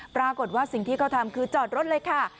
ปรากฏว่าสิ่งที่เขาทำคือจอดรถเลยค่ะ